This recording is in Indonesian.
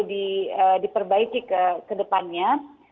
diperbaiki ke depannya